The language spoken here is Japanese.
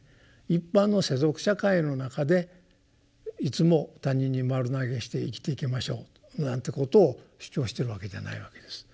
一般の世俗社会の中でいつも他人に丸投げして生きていきましょうなんてことを主張しているわけじゃないわけです。